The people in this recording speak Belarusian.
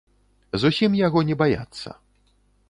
Зусім яго не баяцца.